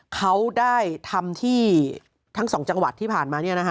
เขาได้ทำที่ทั้งสองจังหวัดที่ผ่านมา